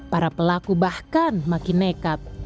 para pelaku bahkan makin nekat